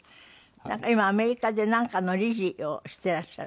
今アメリカでなんかの理事をしていらっしゃる。